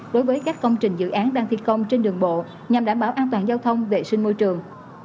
đối với các công trình dự án đang thi công trên đường bộ nhằm đảm bảo an toàn giao thông vệ sinh môi trường